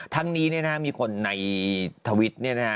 ทั้งนี้มีคนในทวิต